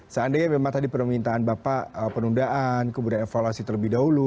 seandainya memang tadi permintaan bapak penundaan kemudian evaluasi terlebih dahulu